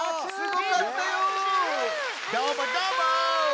どーもどーも！